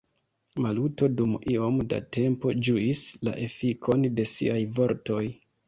Maluto dum iom da tempo ĝuis la efikon de siaj vortoj.